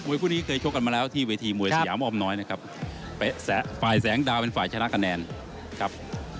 คู่นี้เคยชกกันมาแล้วที่เวทีมวยสยามออมน้อยนะครับฝ่ายแสงดาวเป็นฝ่ายชนะคะแนนครับ